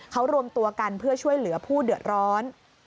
เขารวมตัวกันเพื่อช่วยเหลือผู้เดือดร้อน